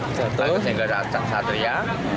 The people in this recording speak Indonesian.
lihat itu nggak satu satu ya